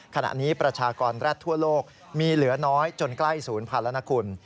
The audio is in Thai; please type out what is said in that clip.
ขณะนี้ประชากรแร็ดทั่วโลกมีเหลือน้อยจนใกล้ศูนย์พันธุแล้วนะคุณ